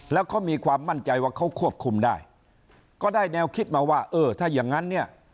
แล้วเขามีความมั่นใจว่าเขาควบคุมได้ก็ได้แนวคิดมาว่าเออถ้าอย่างงั้นเนี่ย